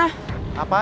aku mau pergi